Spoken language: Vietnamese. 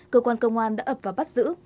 cơ quan công an đã ập vào bắt giữ